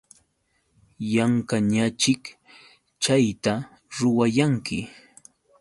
Yanqañaćhik chayta ruwayanki.